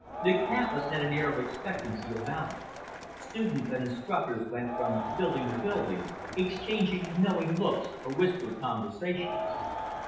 The campus had an air of expectancy about it. Students and instructors went from building to building, exchanging knowing looks or whispered conversations.